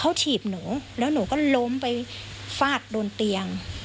รอไปเล่นนี้